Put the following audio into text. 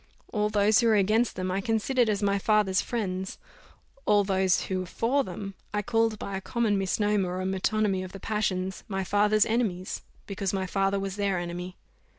All those who were against them, I considered as my father's friends; all those who were for them, I called by a common misnomer, or metonymy of the passions, my father's enemies, because my father was their enemy.